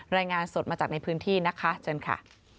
รายงานสดมาจากในพื้นที่นะคะเชิญค่ะ